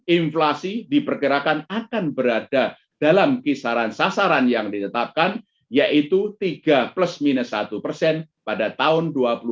inflasi diperkirakan akan berada dalam kisaran sasaran yang ditetapkan yaitu tiga plus minus satu pada tahun dua ribu dua puluh satu dan dua ribu dua puluh dua